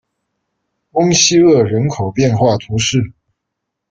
翁西厄人口变化图示